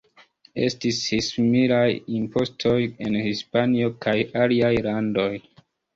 Estis similaj impostoj en Hispanio kaj aliaj landoj.